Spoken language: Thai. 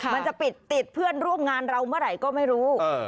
มันจะปิดติดเพื่อนร่วมงานเราเมื่อไหร่ก็ไม่รู้